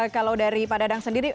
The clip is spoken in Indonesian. kalau dari pak dadang sendiri